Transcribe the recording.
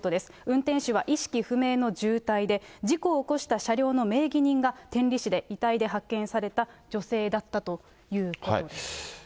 運転手は意識不明の重体で、事故を起こした車両の名義人が、天理市で遺体で発見された女性だったということです。